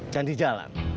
dan di jalan